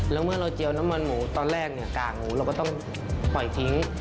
แล้วเมื่อเราเจียวน้ำมันหมูตอนแรกเนี่ยกากหมูเราก็ต้องปล่อยทิ้ง